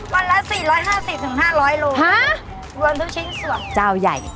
วันละ๔๕๐๕๐๐โลรวมทุกชิ้นส่วนเจ้าใหญ่